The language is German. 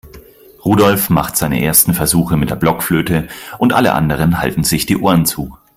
Rudolf macht seine ersten Versuche mit der Blockflöte und alle anderen halten sich die Ohren zu.